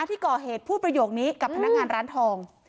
ที่ก่อเหตุพูดประโยคนี้กับพนักงานร้านทอง